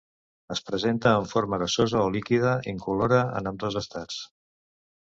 Es presenta en forma gasosa o líquida, incolora en ambdós estats.